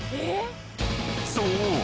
［そう！